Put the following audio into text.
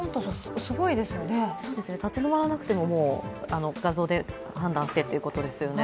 立ち止まらなくても画像で判断してということですよね。